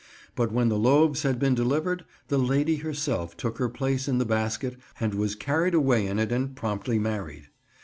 But when the loaves had been delivered, the lady herself took her place in the basket and was carried away in it and promptly married.